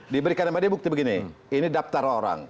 diberikan sama dia bukti begini ini daftar orang